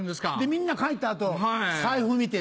みんな帰った後財布見て。